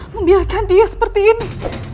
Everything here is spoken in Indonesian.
membiarkan dia seperti ini